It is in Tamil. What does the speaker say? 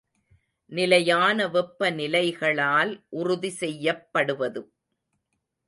நிலையான வெப்பநிலைகளால் உறுதி செய்யப்படுவது.